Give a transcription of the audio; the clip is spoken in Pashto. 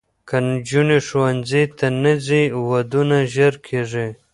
که نجونې ښوونځي ته نه ځي، ودونه ژر کېږي.